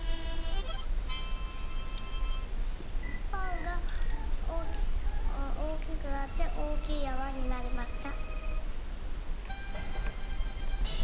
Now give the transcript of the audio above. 「パンがおおきくなっておおきいやまになりました」。